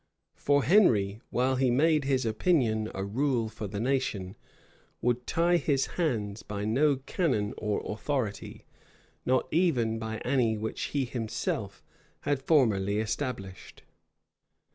For Henry while he made his opinion a rule for the nation, would tie his own hands by no canon or authority, not even by any which he himself had formerly established.